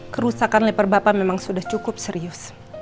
kerusakan leper bapak memang sudah cukup serius